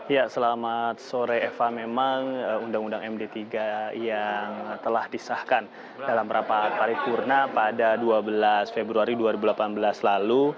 ya selamat sore eva memang undang undang md tiga yang telah disahkan dalam rapat paripurna pada dua belas februari dua ribu delapan belas lalu